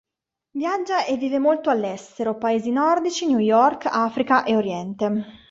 Viaggia e vive molto all'estero: Paesi nordici, New York, Africa e Oriente.